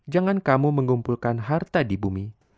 jangan kamu mengumpulkan harta di bumi